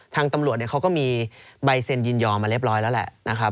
ทางตำรวจเขาก็มีใบเซ็นยินยอมมาเรียบร้อยแล้วแหละนะครับ